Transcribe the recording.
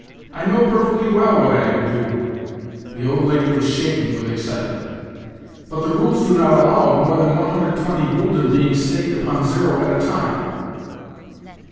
I know perfectly well what I am doing." The old lady was shaking with excitement. "But the rules do not allow of more than 120 gülden being staked upon zero at a time."